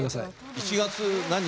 １月何日？